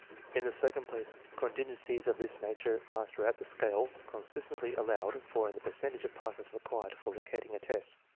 In the second place, contingencies of this nature are throughout the scale consistently allowed for in the percentage of passes required for locating a test.